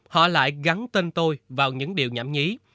họ lại gắn tên tôi vào những điều nhảm nhí